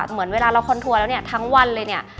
เหมือนเวลาเราคอนทัวร์แล้วเนี่ยทั้งวันเลยเนี่ย